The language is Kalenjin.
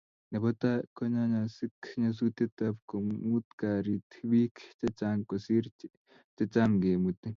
nebo tai konyayagis nyasusiet komuut karit biik chechang kosiir checham kemuti